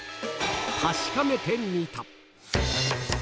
確かめてみた！